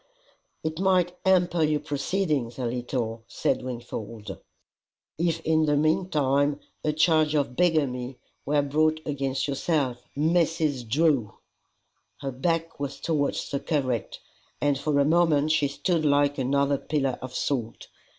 "It might hamper your proceedings a little," said Wingfold, "if in the meantime a charge of bigamy were brought against yourself, MRS. DREW!" Her back was towards the curate, and for a moment she stood like another pillar of salt.